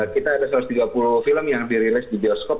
kita ada satu ratus tiga puluh film yang dirilis di bioskop